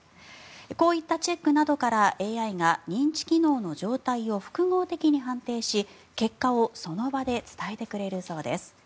こういったチェックなどからＡＩが認知機能の状態を複合的に判定し、結果をその場で伝えてくれるそうです。